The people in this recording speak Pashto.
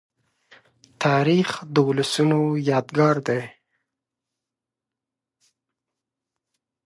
تاریخ د ولسونو یادګار دی.